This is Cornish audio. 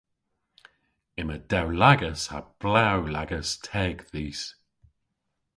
Yma dewlagas ha blew lagas teg dhis.